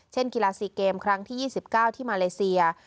กีฬา๔เกมครั้งที่๒๙ที่มาเลเซีย